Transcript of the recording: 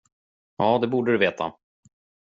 Ja, det borde du veta.